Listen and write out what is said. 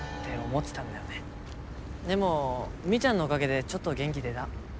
でもみーちゃんのおかげでちょっと元気出だ。